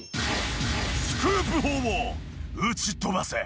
スクープ砲を撃ち飛ばせ！